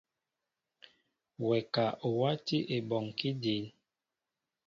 Wɛ ka o wátí ebɔŋkí dǐn.